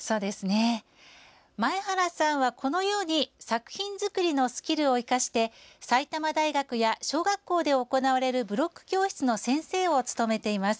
前原さんは、このように作品作りのスキルを生かして埼玉大学や、小学校で行われるブロック教室の先生を務めています。